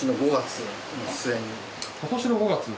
今年の５月？